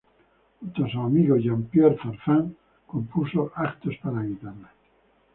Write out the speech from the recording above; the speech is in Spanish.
Junto a su amigo Jean Pierre Farfán compuso actos para guitarra.